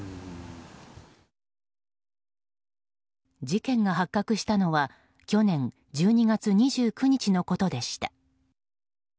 事件が発覚したのは去年１２月２９日のことでした。